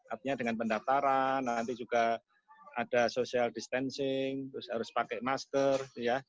artinya dengan pendaftaran nanti juga ada social distancing terus harus pakai masker